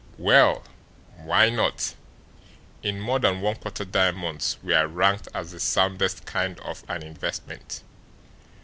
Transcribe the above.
Well, why not? In more than one quarter diamonds were ranked as the soundest kind of an investment.